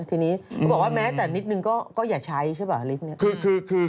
เขาบอกว่าแม้แต่นิดหนึ่งก็อย่าใช้ใช่เปล่าลิฟท์นี้